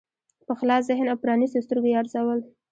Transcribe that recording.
په خلاص ذهن او پرانیستو سترګو یې ارزول.